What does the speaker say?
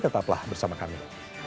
tetaplah bersama kami